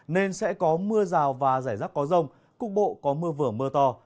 nên sẽ có mưa rào và rải rác có rông cục bộ có mưa vừa mưa to